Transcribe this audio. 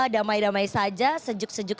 damai damai saja sejuk sejuk